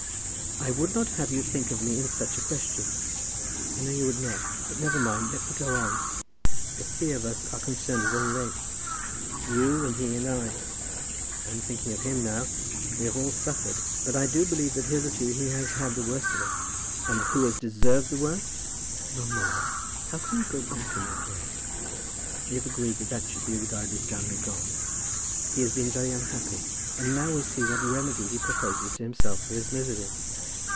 "I would not have you think of me in such a question." "I know you would not; but never mind, and let me go on. The three of us are concerned, at any rate; you, and he, and I. I am thinking of him now. We have all suffered, but I do believe that hitherto he has had the worst of it." "And who has deserved the worst?" "Mamma, how can you go back in that way? We have agreed that that should be regarded as done and gone. He has been very unhappy, and now we see what remedy he proposes to himself for his misery.